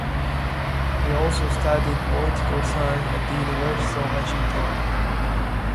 He also studied Political Science at the University of Washington.